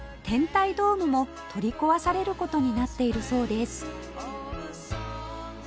天体ドームも取り壊される事になっているそうです